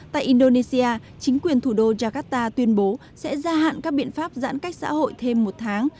tại indonesia chính quyền thủ đô jakarta tuyên bố sẽ gia hạn các biện pháp giãn cách xã hội thêm một tháng